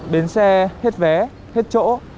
bến xe hết vé hết chỗ